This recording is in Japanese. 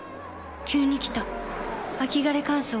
急に来た秋枯れ乾燥。